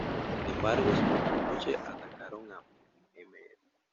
Sin embargo esa misma noche, atacaron a Mr.